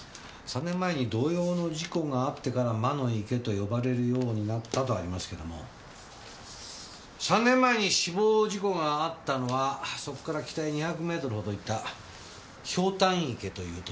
「３年前に同様の事故があってから魔の池と呼ばれるようになった」とありますけども３年前に死亡事故があったのはそこから北へ２００メートルほど行ったひょうたん池という所だそうです。